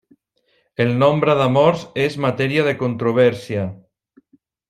El nombre de morts és matèria de controvèrsia.